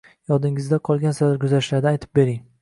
— Yodingizda qolgan sarguzashtlardan aytib bering?